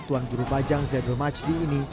tuan guru bajang zaidul majdi ini